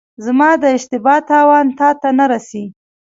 زما د اشتبا تاوان تاته نه رسي.